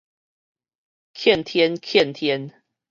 譴天譴天